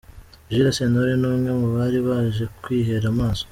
Jules Sentore ni umwe mu bari baje kwihera amaso.